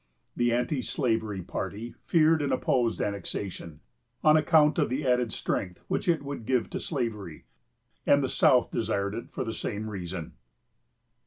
The anti slavery party feared and opposed annexation, on account of the added strength which it would give to slavery, and the South desired it for the same reason.